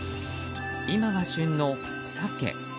今が旬のサケ。